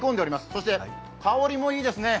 そして香りもいいですね。